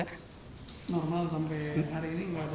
normal sampai hari ini nggak ada